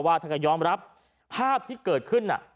ว่าถ้าย้อมรับภาพที่เกิดขึ้นน่ะ